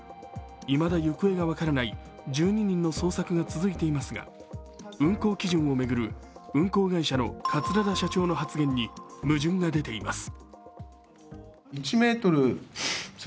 いまだ行方が分からない１２人の捜索が続いていますが、運航基準を巡る運航会社の桂田社長の発言に矛盾が出ています。